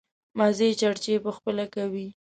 مزې چړچې په خپله کوي.